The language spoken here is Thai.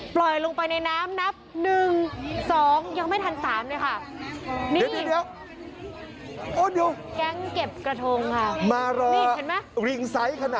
ปล่อยลงไปในน้ำนับ๑๒ยังไม่ทัน๓เลยค่ะ